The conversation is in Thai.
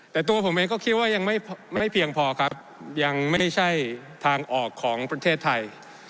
แต่ตัวผมเองก็คิดว่ายังไม่เพียงพอครับยังไม่ใช่ทางออกของประเทศไทย